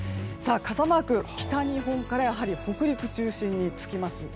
傘マーク、北日本から北陸中心につきます。